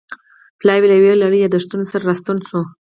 پلاوی له یو لړ یادښتونو سره راستون شو.